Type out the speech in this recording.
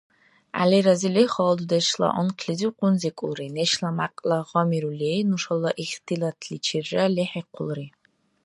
ГӀяли разили хала дудешла анхълизив къунзикӀулри, нешла мякьла гъамирули, нушала ихтилатличира лехӀихъулри.